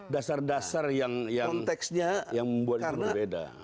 dasar dasar yang membuat itu berbeda